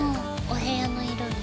お部屋の色に。